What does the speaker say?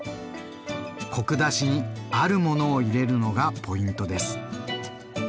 コク出しにあるものを入れるのがポイントです。